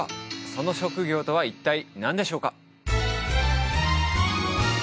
その職業とは一体何でしょうか？